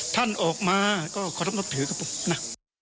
ท่านออกมาก็เคารพรับถือครับผมนะ